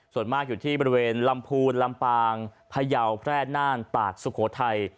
ส่วนมากอยู่ที่บริเวณลำพูนลำปางพยาวแพร่น่านตากสุโขทัย